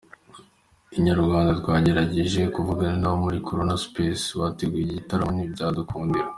Inyarwanda twagerageje kuvugana n'abo muri Corona Space bateguye iki gitaramo ntibyadukundira.